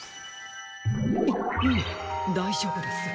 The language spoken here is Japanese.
いいえだいじょうぶです。